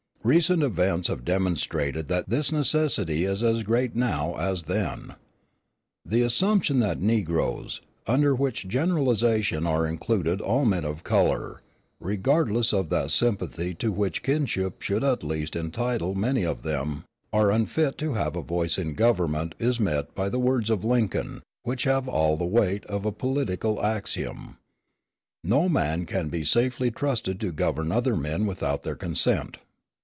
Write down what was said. Recent events have demonstrated that this necessity is as great now as then. The assumption that negroes under which generalization are included all men of color, regardless of that sympathy to which kinship at least should entitle many of them are unfit to have a voice in government is met by the words of Lincoln, which have all the weight of a political axiom: "No man can be safely trusted to govern other men without their consent."